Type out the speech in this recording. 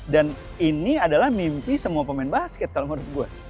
ini adalah mimpi semua pemain basket kalau menurut gue